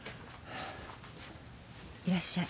いらっしゃい。